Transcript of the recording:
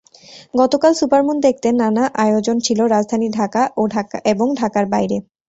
গতকাল সুপারমুন দেখতে নানা আয়োজন ছিল রাজধানী ঢাকা এবং ঢাকার বাইরে।